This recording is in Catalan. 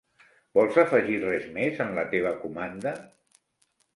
Vols afegir res més en la teva comanda?